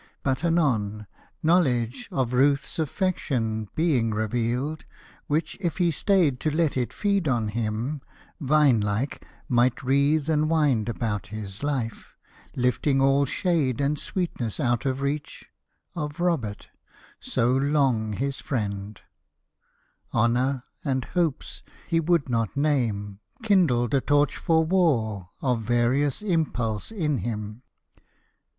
But anon Knowledge of Ruth's affection being revealed, Which, if he stayed to let it feed on him, Vine like might wreathe and wind about his life, Lifting all shade and sweetness out of reach Of Robert, so long his friend honor, and hopes He would not name, kindled a torch for war Of various impulse in him.